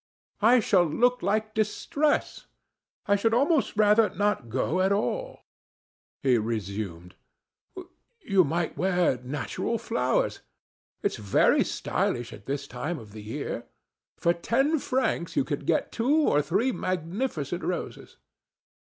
I shall look like distress. I should almost rather not go at all." He resumed: "You might wear natural flowers. It's very stylish at this time of the year. For ten francs you can get two or three magnificent roses."